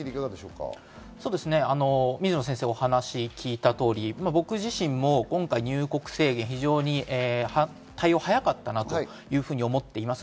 水野先生のお話を聞いた通り、僕自身も今回、入国制限の対応が早かったなと思っています。